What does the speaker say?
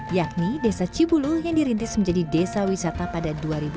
yakni desa cibulu yang dirintis menjadi desa wisata pada dua ribu enam belas